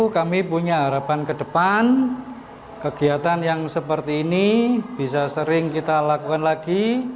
kami punya harapan ke depan kegiatan yang seperti ini bisa sering kita lakukan lagi